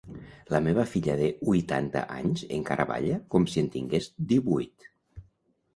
La meva filla de huitanta anys encara balla com si en tingués díhuit.